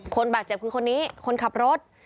คนบาดเจ็บคือคนนี้คนขับรถ